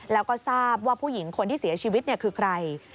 แล้วก็ทราบว่าผู้หญิงคนที่เสียชีวิตคือใคร